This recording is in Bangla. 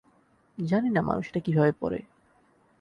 জানি না মানুষ এটা কিভাবে পরে।